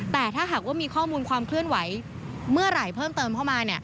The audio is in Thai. แต่ถ้าหากว่ามีข้อมูลความเคลื่อนไหวเมื่อไหร่เพิ่มเติมเข้ามา